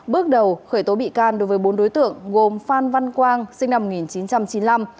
bước đầu khởi tố bị can đối với bốn đối tượng gồm phan văn quang sinh năm một nghìn chín trăm chín mươi năm